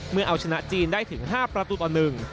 เมื่อเอาชนะจีนได้ถึง๕ประตูต่อหนึ่ง